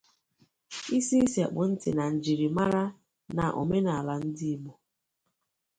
isi sekpụ ntị na njiri mara na omenala ndi Igbo